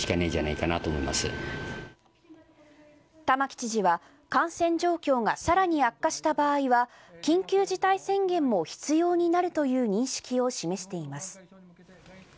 玉城知事は感染状況がさらに悪化した場合は緊急事態宣言も必要になるという認識を示しています。